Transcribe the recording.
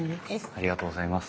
ありがとうございます。